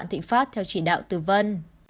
vạn thị phát theo chỉ đạo từ vân